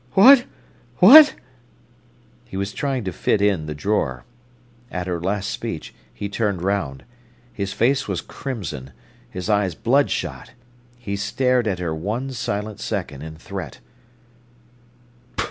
"What—what?" He was trying to fit in the drawer. At her last speech he turned round. His face was crimson, his eyes bloodshot. He stared at her one silent second in threat.